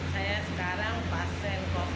saya sekarang pasien covid sembilan belas